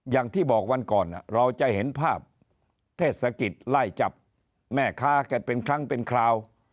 อย่างที่บอกวันก่อนเราจะเห็นภาพเทศกิจไล่จับแม่ค้ากันเป็นครั้งเป็นคราว